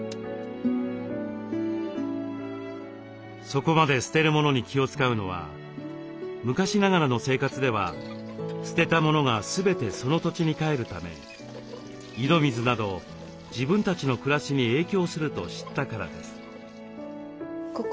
そこまで捨てるものに気を遣うのは昔ながらの生活では捨てたものが全てその土地にかえるため井戸水など自分たちの暮らしに影響すると知ったからです。